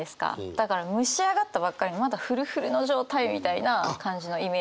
だから蒸し上がったばっかりのまだフルフルの状態みたいな感じのイメージ。